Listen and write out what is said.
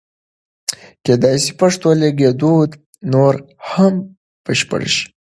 کېدای شي پښتو لیکدود نور هم بشپړ شي.